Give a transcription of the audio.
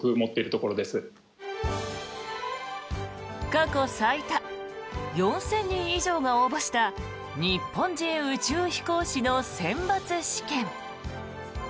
過去最多４０００人以上が応募した日本人宇宙飛行士の選抜試験。